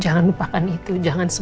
bapak bapak bantu sini